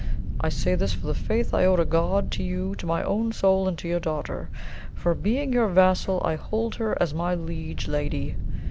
I say this for the faith I owe to God, to you, to my own soul, and to your daughter ; for being your vassal, I hold her as my liege lady.